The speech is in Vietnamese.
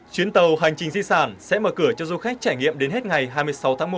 chuyến tàu hành trình di sản sẽ mở cửa cho du khách trải nghiệm đến hết ngày hai mươi sáu tháng một